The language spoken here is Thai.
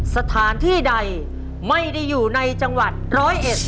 สถานที่ใดไม่ได้อยู่ในจังหวัดร้อยเอ็ด